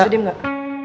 bisa diem gak